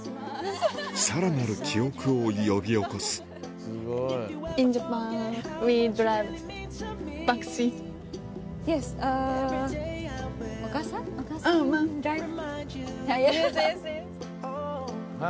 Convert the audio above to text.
さらなる記憶を呼び起こすハハハ。